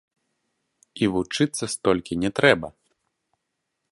І вучыцца столькі не трэба.